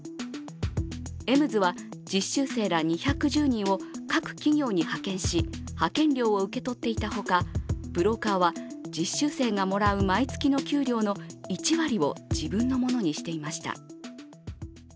エムズは実習生ら２１０人を各企業に派遣し派遣料を受け取っていたほかブローカーは実習生がもらう毎月の給料の１割を自分のものにしていました。